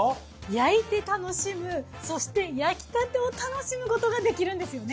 焼いて楽しむそして焼きたてを楽しむことができるんですよね。